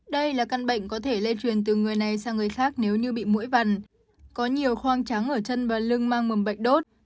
đây là căn bệnh có thể lây truyền từ người này sang người khác nếu như bị mũi vằn có nhiều khoang trắng ở chân và lưng mang mầm bệnh đốt